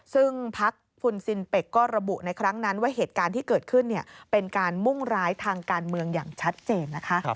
ซึ่งพักฟุนซินเป็กก็ระบุในครั้งนั้นว่าเหตุการณ์ที่เกิดขึ้นเป็นการมุ่งร้ายทางการเมืองอย่างชัดเจนนะคะ